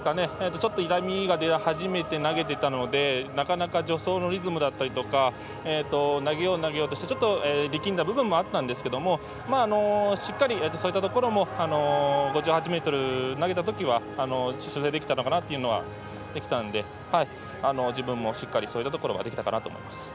ちょっと痛みが出始めて投げていたのでなかなか助走のリズムだったりとか投げよう投げようとして力んだ部分もあったんですけどもしっかり、そういったところも５８ｍを投げたときは修正できたのかなというのはできたので自分も、そういったところはできたかなと思います。